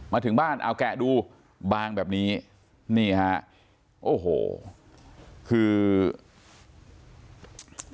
มาถึงบ้านเอาแกะดูบางแบบนี้นี่ฮะโอ้โหคือ